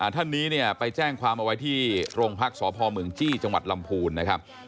ท่านนี้เนี่ยไปแจ้งความเอาไว้ที่โรงพักษ์สพเมืองจี้จังหวัดลำพูนนะครับ